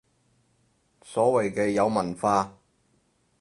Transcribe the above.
所謂嘅有文化